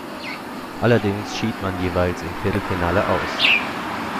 Allerdings schied man jeweils im Viertelfinale aus.